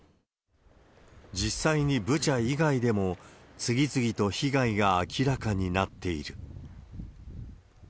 実際にブチャ以外でも、次々と被害が明らかになっている。